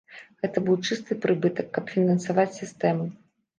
Гэты быў чысты прыбытак, каб фінансаваць сістэму.